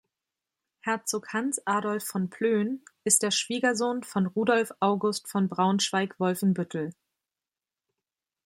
Herzog Hans Adolf von Plön ist der Schwiegersohn von Rudolph August von Braunschweig-Wolfenbüttel.